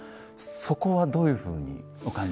そこはどういうふうにお感じになりましたか？